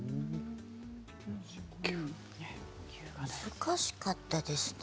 難しかったですね